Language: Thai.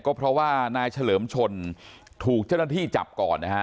ก็เพราะว่านายเฉลิมชนถูกเจ้าหน้าที่จับก่อนนะฮะ